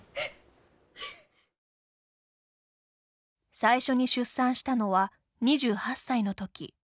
最初に出産したのは２８歳の時。